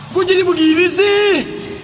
kok jadi begini sih